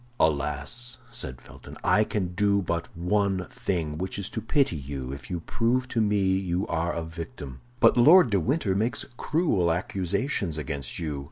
"Alas!" said Felton, "I can do but one thing, which is to pity you if you prove to me you are a victim! But Lord de Winter makes cruel accusations against you.